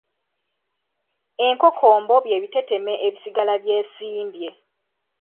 Enkokombo bye biteteme ebisigala byesiimbye.